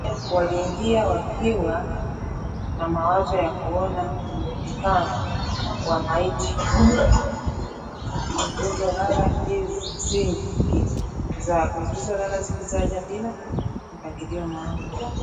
Waliingia wakiwa na mawazo ya kuona mlundikano wa maiti zilizolala zigi zaga bila mpangilio maalum